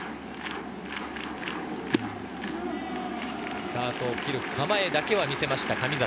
スタートを切る構えだけは見せました、神里。